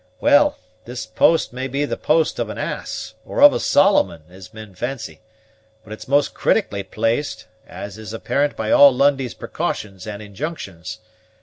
Well, this post may be the post of an ass, or of a Solomon, as men fancy; but it's most critically placed, as is apparent by all Lundie's precautions and injunctions.